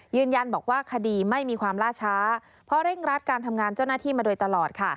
ยืนยันบอกว่าคดีไม่มีความล่าช้าเพราะเร่งรัดการทำงานเจ้าหน้าที่มาโดยตลอดค่ะ